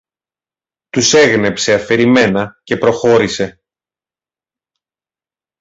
Τους έγνεψε αφηρημένα και προχώρησε